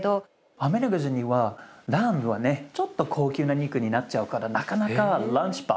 アメリカ人にはラムはねちょっと高級な肉になっちゃうからなかなかランチボックス